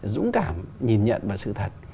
dũng cảm nhìn nhận và sự thật